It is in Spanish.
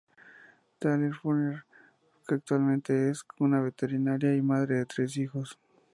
Tanner-Fuller, que actualmente es una veterinaria y madre de tres hijos.